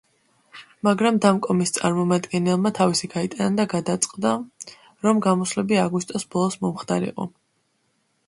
მაგრამ დამკომის წარმომადგენელმა თავისი გაიტანა და გადაწყდა, რომ გამოსვლები აგვისტოს ბოლოს მომხდარიყო.